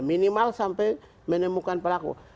minimal sampai menemukan pelaku